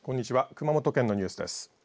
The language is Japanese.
熊本県のニュースです。